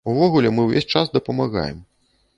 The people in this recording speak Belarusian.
Увогуле, мы ўвесь час дапамагаем.